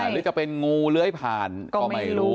หรือจะเป็นงูเลื้อยผ่านก็ไม่รู้